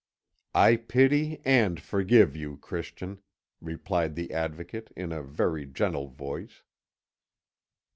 "I pity and forgive you, Christian," replied the Advocate in a very gentle voice.